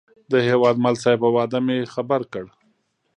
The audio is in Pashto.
د هیوادمل صاحب په وعده مې خبر کړ.